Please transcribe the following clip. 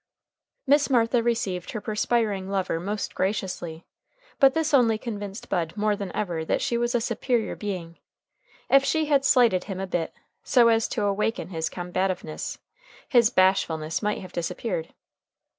Miss Martha received her perspiring lover most graciously, but this only convinced Bud more than ever that she was a superior being. If she had slighted him a bit, so as to awaken his combativeness, his bashfulness might have disappeared.